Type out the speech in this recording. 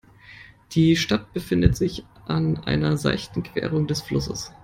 Die Stadt befindet sich an einer seichten Querung des Flusses.